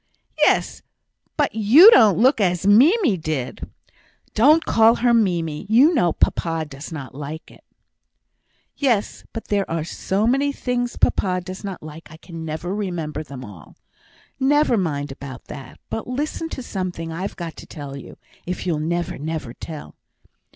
"Yes! but you don't look as Mimie did." "Don't call her Mimie you know papa does not like it." "Yes; but there are so many things papa does not like I can never remember them all. Never mind about that; but listen to something I've got to tell you, if you'll never, never tell."